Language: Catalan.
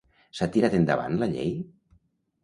S'ha tirat endavant la llei?